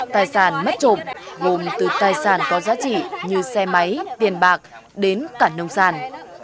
tài sản mất trộm gồm từ tài sản có giá trị như xe máy tiền bạc đến cả nông sản